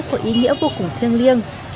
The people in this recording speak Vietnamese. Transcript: có ý nghĩa vô cùng thiêng liêng